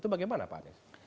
itu bagaimana pak anies